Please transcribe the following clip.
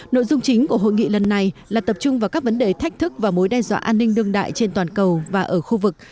nội dung chính của hội nghị lần này là tập trung vào các vấn đề thách thức và mối đe dọa an ninh đương đại trên toàn cầu và ở khu vực